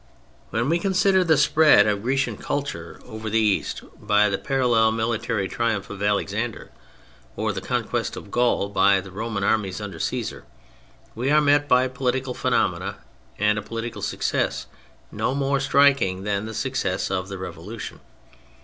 When we consider the spread of Grecian culture over IM THE FRENCH REVOLUTION the East by the parallel military triumph of Alexander, or the conquest of Gaul by the Roman armies under Caesar, we are met by political phenomena and a political success no more striking than the success of the Revolution.